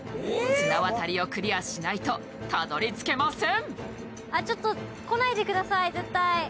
綱渡りをクリアしないとたどりつけません。